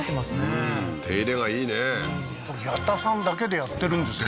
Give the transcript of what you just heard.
うん手入れがいいね矢田さんだけでやってるんですか？